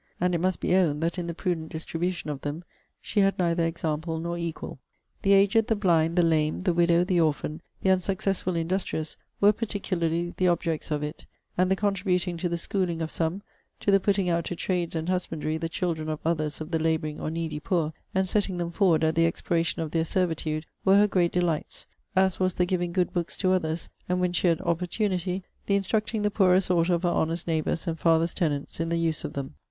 And it must be owned, that in the prudent distribution of them, she had neither example nor equal. The aged, the blind, the lame, the widow, the orphan, the unsuccessful industrious, were particularly the objects of it; and the contributing to the schooling of some, to the putting out to trades and husbandry the children of others of the labouring or needy poor, and setting them forward at the expiration of their servitude, were her great delights; as was the giving good books to others; and, when she had opportunity, the instructing the poorer sort of her honest neighbours, and father's tenants, in the use of them.